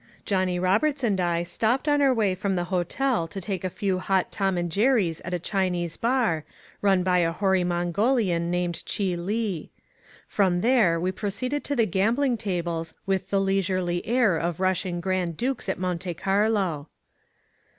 Johnny Roberts and I stopped on our way from the hotel to take a few hot Tom and Jerries at a Chinese bar, run by a hoary Mongolian named Chee Lee. From there we proceeded to the gaming tables with the leisurely air of Russian Grand Dukes at Monte Carlo.